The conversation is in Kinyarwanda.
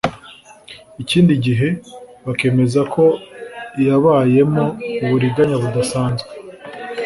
ikindi gihe bakemeza ko yabayemo uburiganya budasanzwe